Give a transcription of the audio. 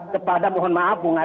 kepada mohon maaf